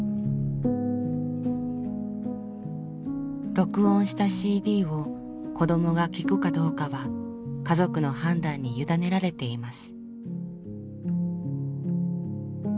録音したＣＤを子どもが聞くかどうかは家族の判断に委ねられています。